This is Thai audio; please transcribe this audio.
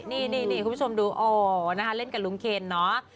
นี่คุณผู้ชมดูโอ้นะคะเล่นกับลุงเคนเนาะ